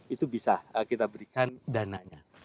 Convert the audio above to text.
itu bisa kita berikan dananya